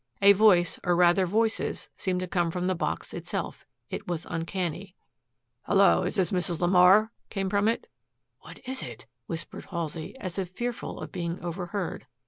A voice, or rather voices, seemed to come from the box itself. It was uncanny. "Hello, is this Mrs. LeMar?" came from it. "What is it?" whispered Halsey, as if fearful of being overheard.